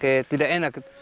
kayak tidak enak